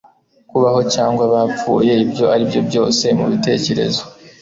kubaho cyangwa bapfuye, ibyo aribyo byose mubitekerezo